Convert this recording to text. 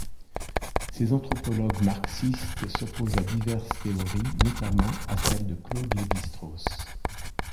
Ces anthropologues marxistes s'opposent à diverses théories, notamment à celle de Claude Lévi-Strauss.